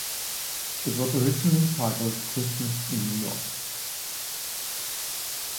It was originally titled "Christmas in New York".